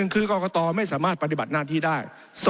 คือกรกตไม่สามารถปฏิบัติหน้าที่ได้